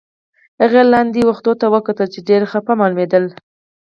هغې لاندې و ختو ته وکتل، چې ډېر خپه معلومېدل.